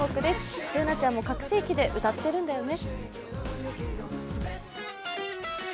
Ｂｏｏｎａちゃんも拡声器で歌ってるんだよね。